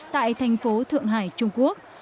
tại thành phố thượng hải trung quốc